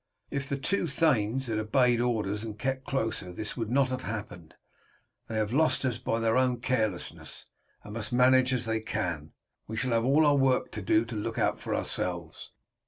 If the two thanes had obeyed orders and kept closer this would not have happened. They have lost us by their own carelessness, and must manage as they can. We shall have all our work to do to look out for ourselves.